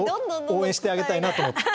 応援してあげたいなと思って。